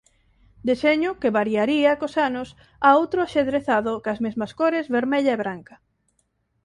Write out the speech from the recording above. Deseño que variaría cos anos a outro axadrezado cas mesmas cores vermella e branca.